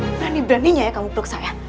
berani beraninya ya kamu peruksa ya